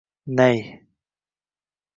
N А Y